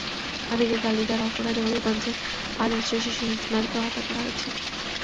ভাবিকে গালি দেওয়ার অপরাধে হবিগঞ্জের পাঁচ বছরের শিশু ইসমাইলকে হত্যা করা হয়েছে।